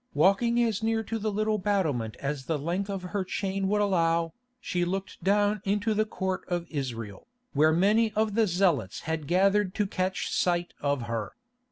Walking as near to the little battlement as the length of her chain would allow, she looked down into the Court of Israel, where many of the Zealots had gathered to catch sight of her.